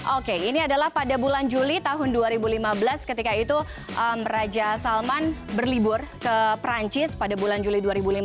oke ini adalah pada bulan juli tahun dua ribu lima belas ketika itu raja salman berlibur ke perancis pada bulan juli dua ribu lima belas